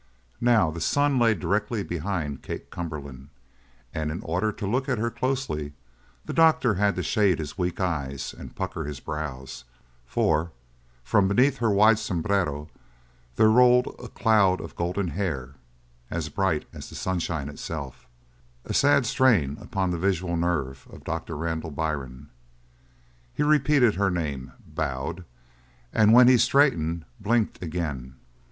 Now the sun lay directly behind Kate Cumberland and in order to look at her closely the doctor had to shade his weak eyes and pucker his brows; for from beneath her wide sombrero there rolled a cloud of golden hair as bright as the sunshine itself a sad strain upon the visual nerve of Doctor Randall Byrne. He repeated her name, bowed, and when he straightened, blinked again.